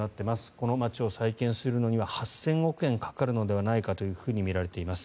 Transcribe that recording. この街を再建するのには８０００億円かかるのではとみられています。